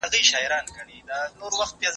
د عدالت تأمين په کورني ژوند کي څنګه کيږي؟